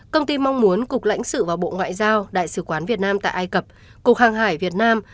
công ty mong muốn cục lãnh sự và bộ ngoại giao đại sứ quán việt nam tại ai cập cục hàng hải việt nam